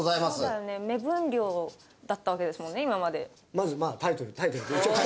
まずタイトルタイトル